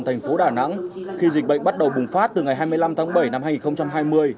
thành phố đà nẵng khi dịch bệnh bắt đầu bùng phát từ ngày hai mươi năm tháng bảy năm hai nghìn hai mươi